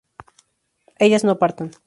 ellas no partan